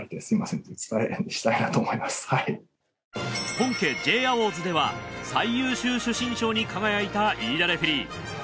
本家Ｊアウォーズでは最優秀主審賞に輝いた飯田レフェリー。